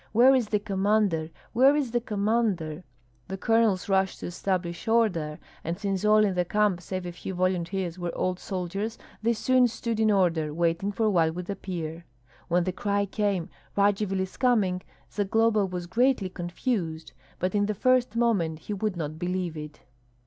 "Where is the commander? Where is the commander?" The colonels rushed to establish order; and since all in the camp, save a few volunteers, were old soldiers, they soon stood in order, waiting for what would appear. When the cry came, "Radzivill is coming!" Zagloba was greatly confused; but in the first moment he would not believe it.